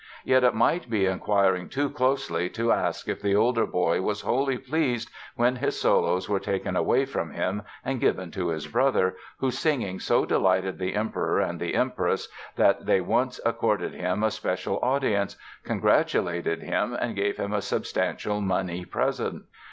Yet it might be inquiring too closely to ask if the older boy was wholly pleased when his solos were taken away from him and given to his brother, whose singing so delighted the Emperor and Empress that they once accorded him a special audience, congratulated him and gave him a substantial money present.